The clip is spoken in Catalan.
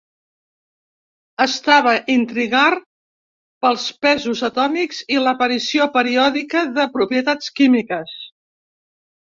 Estava intrigar pels pesos atòmics i l'aparició periòdica de propietats químiques.